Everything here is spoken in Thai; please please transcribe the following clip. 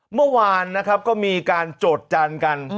เมื่อวานนะครับก็มีการจดจันกัน